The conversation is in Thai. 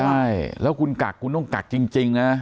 ใช่แล้วคุณกักคุณต้องกักจริงนะ